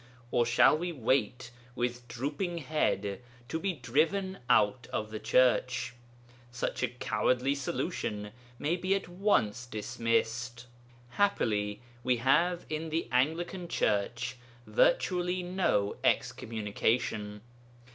Or shall we wait with drooping head to be driven out of the Church? Such a cowardly solution may be at once dismissed. Happily we have in the Anglican Church virtually no excommunication.